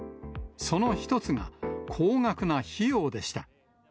その一つが高額な費用でした。